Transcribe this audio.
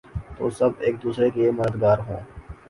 تو سب ایک دوسرے کے مددگار ہوں۔